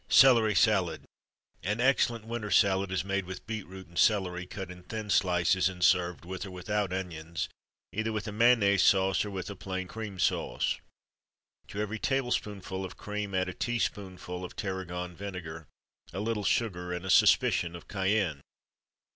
Celery Salad. An excellent winter salad is made with beetroot and celery, cut in thin slices, and served with or without onions either with a mayonnaise sauce, or with a plain cream sauce: to every tablespoonful of cream add a teaspoonful of tarragon vinegar, a little sugar, and a suspicion of cayenne.